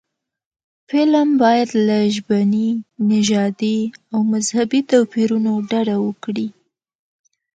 فلم باید له ژبني، نژادي او مذهبي توپیرونو ډډه وکړي